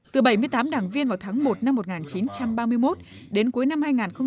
từ bảy mươi tám đảng viên vào tháng một năm một nghìn chín trăm ba mươi một đến cuối năm hai nghìn hai mươi